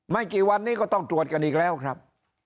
ไม่กี่วันนี้ก็ต้องตรวจกันอีกแล้วครับ